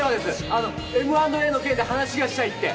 あのＭ＆Ａの件で話がしたいって！